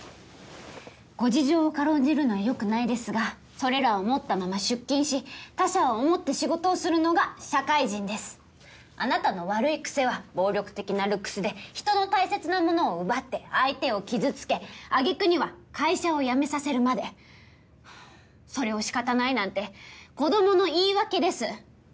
ご事情を軽んじるのはよくないですがそれらを持ったまま出勤し他者を思って仕事をするのが社会人ですあなたの悪い癖は暴力的なルックスで人の大切なものを奪って相手を傷つけあげくには会社を辞めさせるまでそれをしかたないなんて子どもの言い訳です